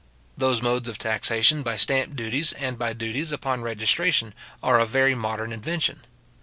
Those modes of taxation by stamp duties and by duties upon registration, are of very modern invention.